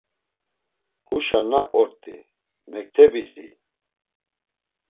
Huşa nak ort̆i, mektebisi?